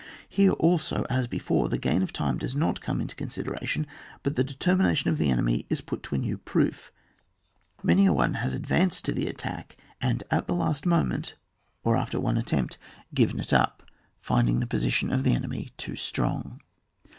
Here also, as before, the gain of time does not come into consideration, but the determination of the enemy is put to a new proof; many a one has ad vanced to the attack, and at the last moment, or after one attempt given it up, finding the position of the enemy too strong.